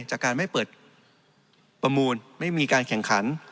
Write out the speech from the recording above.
จากการไม่เปิดประมูลไม่มีการแข่งขัน